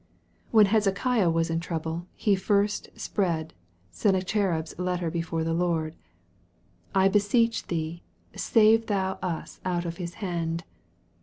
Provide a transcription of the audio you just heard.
When Hezekiah was in trouble, he first spread Senna cherib's letter before the Lord :" I beseech thee, save thou us out of his hand."